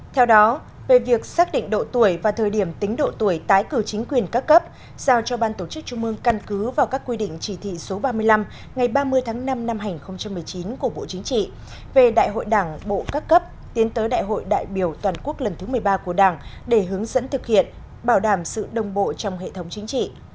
theo đó về việc xác định độ tuổi và thời điểm tính độ tuổi tái cử chính quyền các cấp giao cho ban tổ chức trung mương căn cứ vào các quy định chỉ thị số ba mươi năm ngày ba mươi tháng năm năm hai nghìn một mươi chín của bộ chính trị về đại hội đảng bộ các cấp tiến tới đại hội đại biểu toàn quốc lần thứ một mươi ba của đảng để hướng dẫn thực hiện bảo đảm sự đồng bộ trong hệ thống chính trị